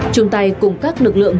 chúng ta cùng các lực lượng